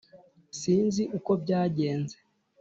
sinzi uko byagenze.